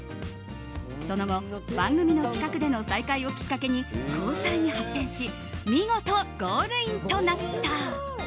その後、番組の企画での再会をきっかけに交際に発展し見事ゴールインとなった。